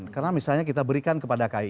karena misalnya kita berikan kepada ki